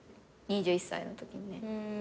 ２１歳のときにね。